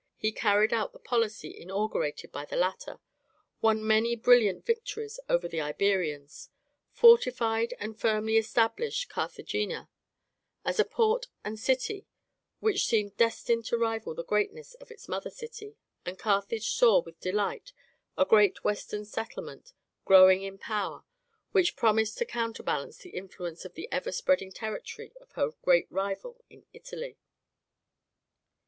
He carried out the policy inaugurated by the latter, won many brilliant victories over the Iberians, fortified and firmly established Carthagena as a port and city which seemed destined to rival the greatness of its mother city, and Carthage saw with delight a great western settlement growing in power which promised to counterbalance the influence of the ever spreading territory of her great rival in Italy.